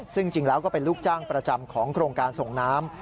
ซึ่งจริงแล้วก็เป็นลูกจ้างประจำของโครงการส่งน้ำ